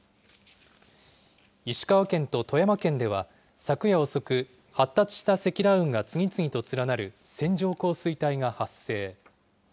石川県と富山県では、昨夜遅く、発達した積乱雲が次々と連なる線状降水帯が発生。